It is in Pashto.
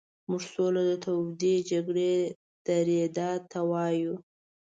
موږ سوله د تودې جګړې درېدا ته وایو.